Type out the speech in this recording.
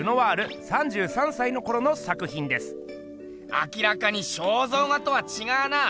明らかに肖像画とはちがうな。